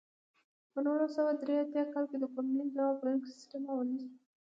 په نولس سوه درې اتیا کال کې د کورنیو ځواب ویونکی سیستم عملي شو.